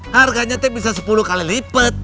harganya bisa sepuluh kali lipat